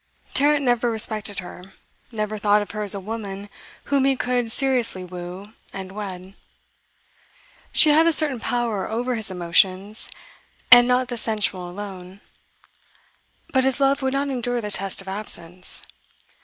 Tarrant never respected her, never thought of her as a woman whom he could seriously woo and wed. She had a certain power over his emotions, and not the sensual alone; but his love would not endure the test of absence.